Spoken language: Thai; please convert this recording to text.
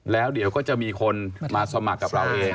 แล้วเดี๋ยวก็จะมีคนมาสมัครกับเราเอง